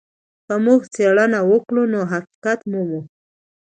که موږ څېړنه وکړو نو حقيقت مومو.